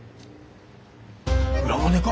裏金か？